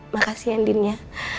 makasih ya din ya